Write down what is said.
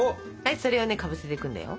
それをねかぶせていくんだよ。